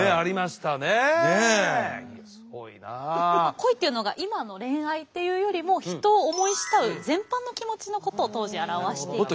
恋っていうのが今の恋愛っていうよりも人を思い慕う全般の気持ちのことを当時表していて。